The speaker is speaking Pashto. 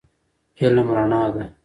علم رڼا ده